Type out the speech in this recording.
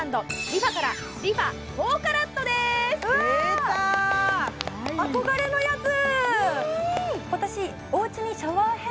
出た憧れのやつ！